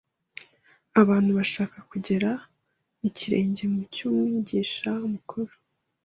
abantu bashaka kugera ikirenge mu cy’Umwigisha Mukuru